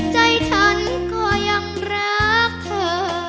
ใจฉันก็ยังรักเธอ